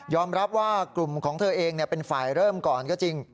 รับว่ากลุ่มของเธอเองเป็นฝ่ายเริ่มก่อนก็จริง